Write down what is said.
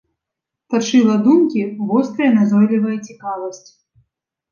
Тачыла думкі вострая назойлівая цікавасць.